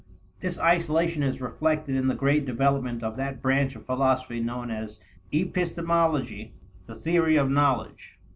This isolation is reflected in the great development of that branch of philosophy known as epistemology the theory of knowledge.